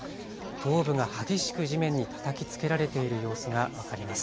頭部が激しく地面にたたきつけられている様子が分かります。